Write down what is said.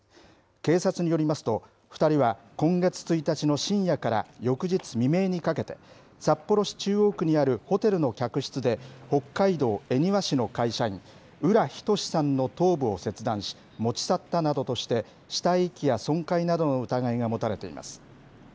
警察によりますと、２人は今月１日の深夜から翌日未明にかけて、札幌市中央区にあるホテルの客室で、北海道恵庭市の会社員、浦仁志さんの頭部を切断し、持ち去ったなどとして、死体遺棄や損壊などの疑いが持たれています。